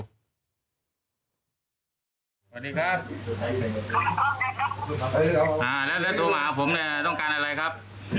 สวัสดีครับ